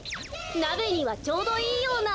なべにはちょうどいいような。